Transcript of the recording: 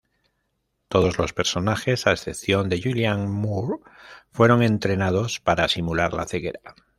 Todos los personajes a excepción de Julianne Moore, fueron entrenados para simular la ceguera.